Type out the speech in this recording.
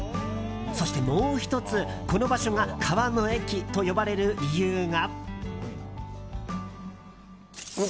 そしてもう１つ、この場所が川の駅と呼ばれる理由が。